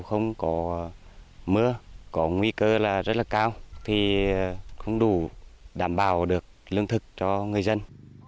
không có mưa có nguy cơ là rất là cao thì không đủ đảm bảo được lương thực cho người dân